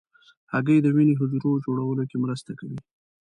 هګۍ د وینې حجرو جوړولو کې مرسته کوي.